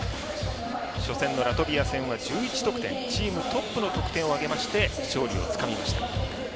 初戦のラトビア戦は１１得点チームトップの得点を挙げまして勝利をつかみました。